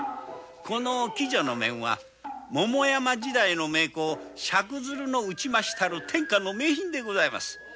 この鬼女の面は桃山時代の名工・赤鶴の打ちましたる天下の名品でございます